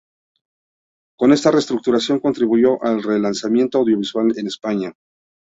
Con esta reestructuración contribuyó al relanzamiento audiovisual en España.